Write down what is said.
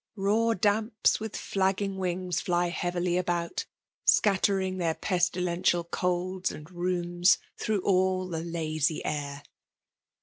Raw damps With flaggwg wings fly h«avily about, Scattering their pestilential colds and rheumH Through sU the lasy air.